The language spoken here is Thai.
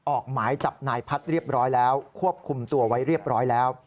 ออกหมายจับนายพัฒน์เรียบร้อยแล้วควบคุมตัวไว้เรียบร้อยแล้ว